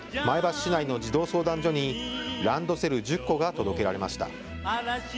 前橋市内の児童相談所にランドセル１０個が届けられました。